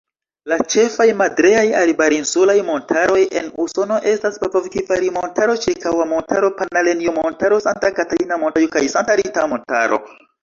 La ĉefaj madreaj-arbarinsulaj montaroj en Usono estas Babokvivari-Montaro, Ĉirikahua-Montaro, Pinalenjo-Montaro, Santa-Katalina-Montaro, kaj Santa-Rita-Montaro.